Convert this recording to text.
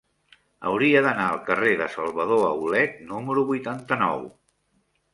Hauria d'anar al carrer de Salvador Aulet número vuitanta-nou.